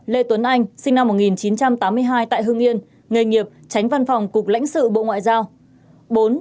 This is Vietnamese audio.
lê tuấn anh sinh năm một nghìn chín trăm tám mươi hai tại hưng yên nghề nghiệp tránh văn phòng cục lãnh sự bộ ngoại giao